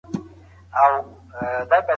طبي پلټنه اطلاقي څېړنه ده.